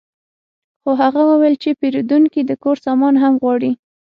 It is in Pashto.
خو هغه وویل چې پیرودونکی د کور سامان هم غواړي